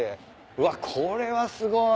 うわこれはすごい。